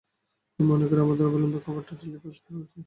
আমি মনে করি আমাদের অবিলম্বে খবরটা টেলিকাস্ট করা উচিত।